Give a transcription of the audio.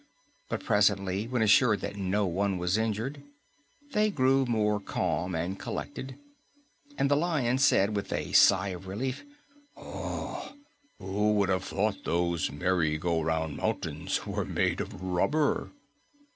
But presently, when assured that no one was injured, they grew more calm and collected, and the Lion said with a sigh of relief, "Who would have thought those Merry Go Round Mountains were made of rubber?"